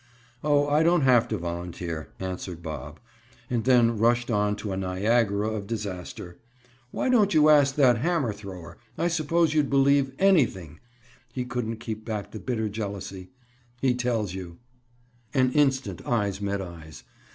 "Oh, I don't have to volunteer," answered Bob. And then rushed on to a Niagara of disaster. "Why don't you ask that hammer thrower? I suppose you'd believe anything"—he couldn't keep back the bitter jealousy—"he tells you." An instant eyes met eyes.